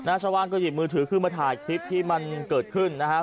ชาวบ้านก็หยิบมือถือขึ้นมาถ่ายคลิปที่มันเกิดขึ้นนะครับ